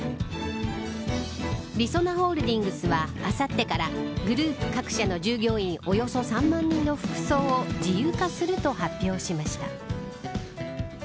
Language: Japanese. りそなホールディングスはあさってからグループ各社の従業員およそ３万人の服装を自由化すると発表しました。